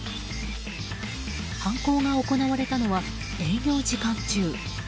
犯行が行われたのは営業時間中。